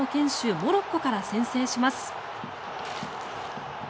モロッコから先制します。